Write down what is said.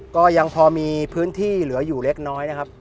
ก็ยังพอมีพื้นที่เหลืออยู่เล็กน้อยนะครับ